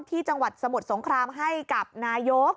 จังหวัดสมุทรสงครามให้กับนายก